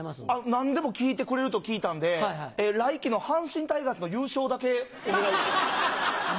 何でも聞いてくれると聞いたんで来期の阪神タイガースの優勝だけお願いします。